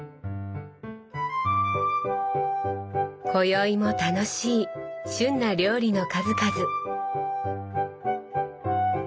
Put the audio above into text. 今宵も楽しい旬な料理の数々。